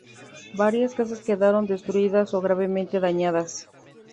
Varias casas quedaron destruidas o gravemente dañadas.